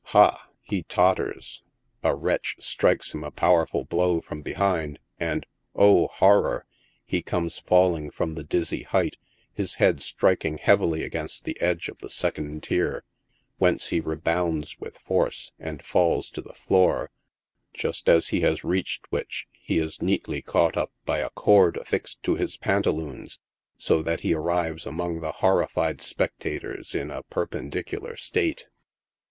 Ha ! he totters ; a wretch strikes him a powerful blow from behind, and O, horror ! he come3 falling from the dizzy height, his head striking heavily against the edge of the second tier, whence he rebounds with force, and falls to the floor, just as he has reached which he is neatly caught up by a cord affixed to his pantaloons, so that he arrives among the horrified spectators in a perpendicular state.